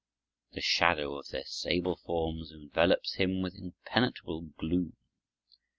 The shadow of their sable forms envelops him with impenetrable gloom.